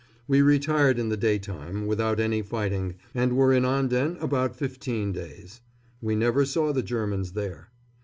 We retired in the daytime, without any fighting, and were in Anden about fifteen days. We never saw the Germans there.